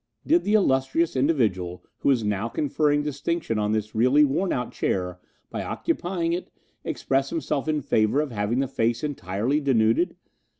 "Did the illustrious individual who is now conferring distinction on this really worn out chair by occupying it express himself in favour of having the face entirely denuded?"